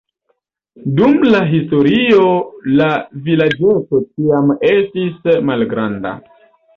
Dum la historio la vilaĝeto ĉiam estis malgranda.